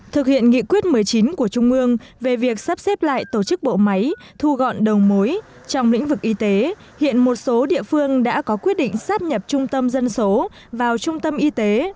thực hiện nghị quyết một mươi chín của trung ương về việc sắp xếp lại tổ chức bộ máy thu gọn đầu mối trong lĩnh vực y tế hiện một số địa phương đã có quyết định sắp nhập trung tâm dân số vào trung tâm y tế